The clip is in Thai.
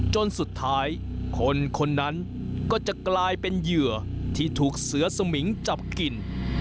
จนสุดท้ายคนคนนั้นก็จะกลายเป็นเหยื่อที่ถูกเสือสมิงจับกิน